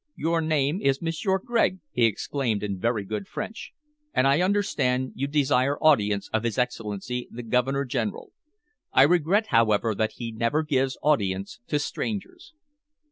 "Your name is M'sieur Gregg," he exclaimed in very good French, "and I understand you desire audience of his Excellency, the Governor General. I regret, however, that he never gives audience to strangers."